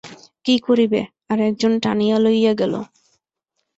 কী করিবে, আর একজন টানিয়া লইয়া গেল।